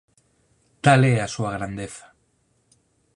Tal é a súa grandeza".